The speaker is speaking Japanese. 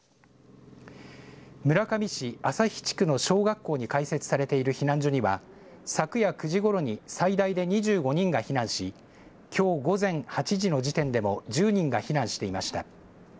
村上市朝日地区の小学校に開設されている避難所には昨夜９時ごろに最大で２５人が避難しきょう午前８時の時点でも１０人が避難していました。